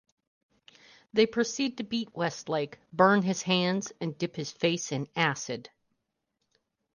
They proceed to beat Westlake, burn his hands and dip his face in acid.